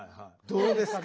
どうですか？